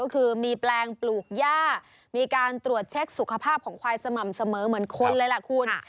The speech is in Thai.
ก็คือมีแปลงปลูกย่ามีการตรวจเช็คสุขภาพของควายสม่ำเสมอเหมือนคนเลยล่ะคุณ